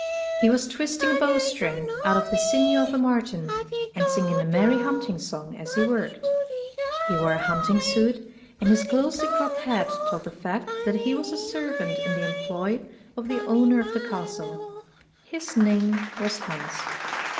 He was twisting a bow string out of the sinews of a marten, and singing a merry hunting song as he worked. He wore a hunting suit, and his closely cropped head told the fact that he was a servant in the employ of the owner of the castle. His name was Hans.